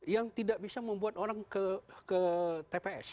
yang tidak bisa membuat orang ke tps